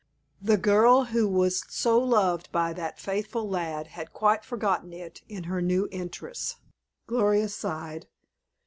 The girl who was so loved by that faithful lad had quite forgotten it in her new interests. Gloria sighed.